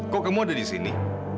kok kamu ada di sini